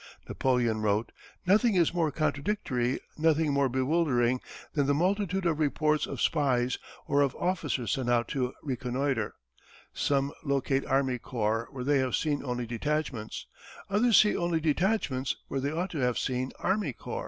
Napoleon wrote: Nothing is more contradictory, nothing more bewildering than the multitude of reports of spies, or of officers sent out to reconnoitre. Some locate army corps where they have seen only detachments; others see only detachments where they ought to have seen army corps. [Illustration: © U.